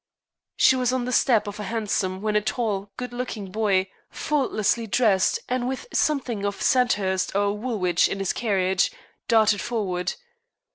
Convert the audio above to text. She was on the step of a hansom when a tall, good looking boy, faultlessly dressed, and with something of Sandhurst or Woolwich in his carriage, darted forward.